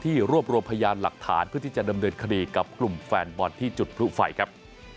รวบรวมพยานหลักฐานเพื่อที่จะดำเนินคดีกับกลุ่มแฟนบอลที่จุดพลุไฟครับ